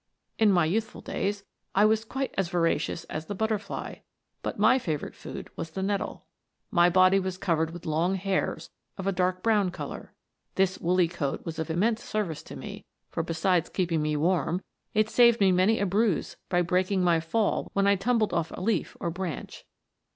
In my youthful days I was quite as voracious as the butterfly, but my favourite food was the nettle. My body was covered with long hairs of a dark brown colour. This woolly coat was of immense service to me ; for besides keeping me warm, it saved me many a bruise by bi eaking my fall when I tum bled off a leaf or branch.